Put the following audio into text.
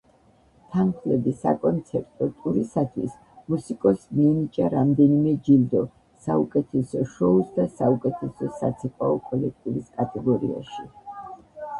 თანმხლები საკონცერტო ტურისათვის მუსიკოსს მიენიჭა რამდენიმე ჯილდო საუკეთესო შოუს და საუკეთესო საცეკვაო კოლექტივის კატეგორიაში.